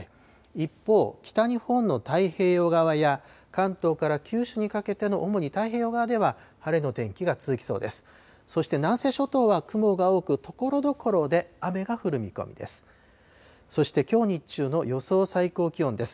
一方、北日本の太平洋側や、関東から九州にかけての主に太平洋側では、晴れの天気が続きそうです。